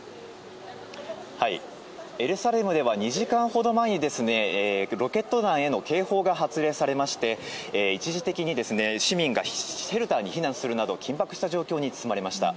エルサレムでは２時間ほど前にロケット弾への警報が発令されまして一時的に市民がシェルターに避難するなど緊迫した状況に包まれました。